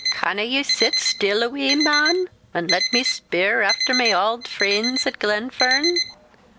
"Canna ye sit still a wee, man, an' let me spear after my auld freens at Glenfern?